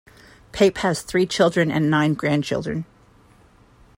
Pape has three children and nine grandchildren.